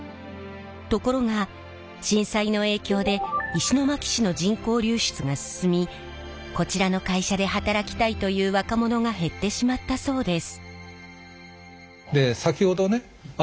ところが震災の影響で石巻市の人口流出が進みこちらの会社で働きたいという若者が減ってしまったそうです。